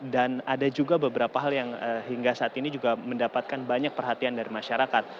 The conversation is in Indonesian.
dan ada juga beberapa hal yang hingga saat ini juga mendapatkan banyak perhatian dari masyarakat